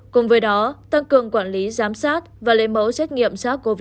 cùng với đó tăng cường quản lý giám sát và lấy mẫu xét nghiệm sars cov hai